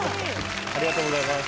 ありがとうございます。